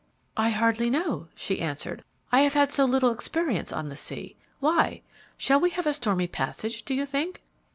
"I hardly know," she answered. "I have had so little experience on the sea. Why? Shall we have a stormy passage, do you think?"